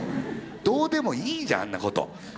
どうでもいいじゃんあんなこと。